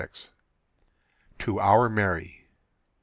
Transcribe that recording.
_ TO OUR MARY.